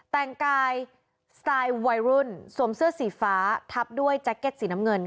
แต่งกายสไตล์วัยรุ่นสวมเสื้อสีฟ้าทับด้วยแจ็คเก็ตสีน้ำเงิน